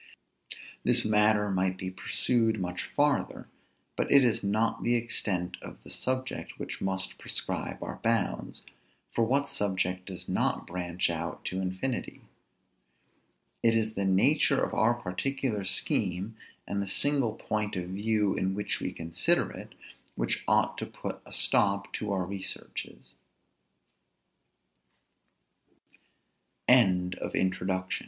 This matter might be pursued much farther; but it is not the extent of the subject which must prescribe our bounds, for what subject does not branch out to infinity? It is the nature of our particular scheme, and the single point of view in which we consider it, which ought to put a stop to our researches. A PHILOSOPHICAL INQU